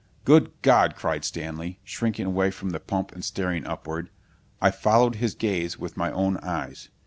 "Good God!" cried Stanley, shrinking away from the pump and staring upward. I followed his gaze with my own eyes.